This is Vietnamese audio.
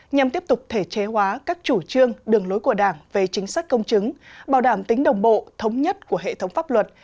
nhằm tiếp tục thể chế hóa các chủ trương đường lối của đảng về chính sách công chứng bảo đảm tính đồng bộ thống nhất của hệ thống pháp luật